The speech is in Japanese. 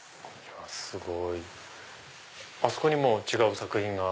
すごい。あそこにも違う作品が。